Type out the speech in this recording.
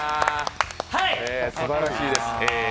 すばらしいです。